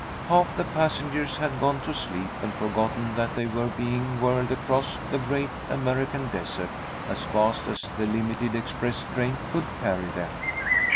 Half the passengers had gone to sleep and forgotten that they were being whirled across the great American Desert as fast as the limited express train could carry them.